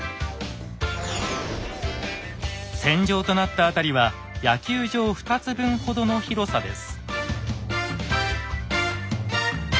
戦場となった辺りは野球場２つ分ほどの広さです。